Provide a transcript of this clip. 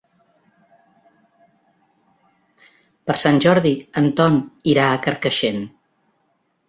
Per Sant Jordi en Ton irà a Carcaixent.